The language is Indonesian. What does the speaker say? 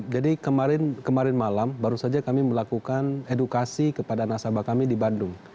jadi kemarin malam baru saja kami melakukan edukasi kepada nasabah kami di bandung